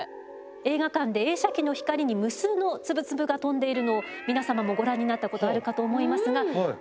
映画館で映写機の光に無数の粒々が飛んでいるのを皆様もご覧になったことあるかと思いますがこれがエアロゾルです。